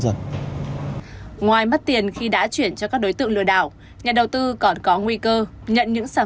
duyệt ngoài mất tiền khi đã chuyển cho các đối tượng lừa đảo nhà đầu tư còn có nguy cơ nhận những sản